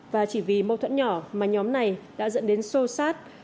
và chỉ vì mâu thuẫn nhỏ mà nhóm này đã dẫn đến sô sát